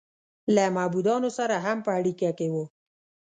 له معبودانو سره هم په اړیکه کې و